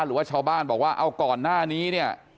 หรือว่าชาวบ้านบอกว่าเอาก่อนหน้านี้เนี่ย